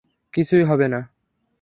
কিছুই হবে না।